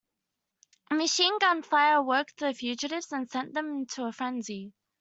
Machine gun fire awoke the fugitives and sent them into a frenzy.